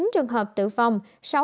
một mươi chín trường hợp tử vong